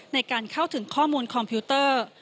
ในการเข้าถึงข้อมูลคอมพิวเตอร์